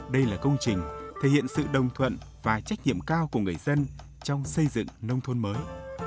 đây là công trình thể hiện sự đồng thuận và trách nhiệm cao của người dân trong xây dựng nông thôn mới